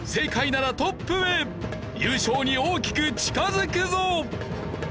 優勝に大きく近づくぞ！